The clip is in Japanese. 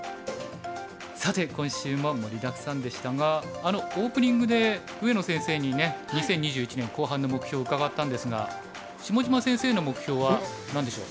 さて今週も盛りだくさんでしたがオープニングで上野先生にね２０２１年後半の目標を伺ったんですが下島先生の目標は何でしょう？